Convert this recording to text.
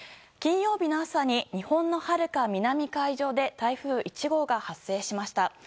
金曜日の朝に日本のはるか南海上で台風１号が発生しました。